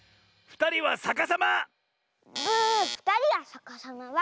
「ふたりはさかさま」は。